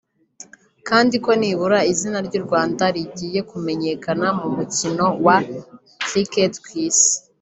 kandi ko nibura izina ry’u Rwanda rigiye kumenyekana mu mukino wa Cricket ku isi